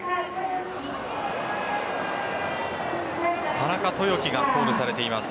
田中豊樹がコールされています。